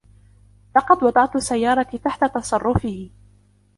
لقد وضعتُ سيارتي تحت تصرفه.